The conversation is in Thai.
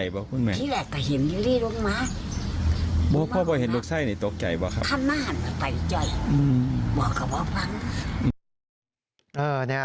เมื่อทั้งนานเราไปตั้งใจมาเป็นพอ